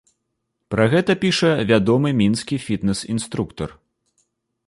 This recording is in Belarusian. Пра гэта піша вядомы мінскі фітнэс-інструктар.